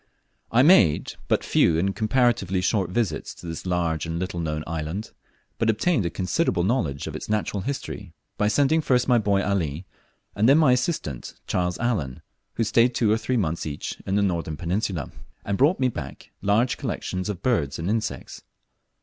I MADE but few and comparatively short visits to this large and little known island, but obtained a considerable knowledge of its natural history by sending first my boy Ali, and then my assistant, Charles Allen, who stayed two or three months each in the northern peninsula, and brought me back large collections of birds and insects.